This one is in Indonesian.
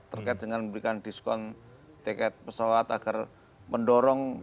terkait dengan memberikan diskon tiket pesawat agar mendorong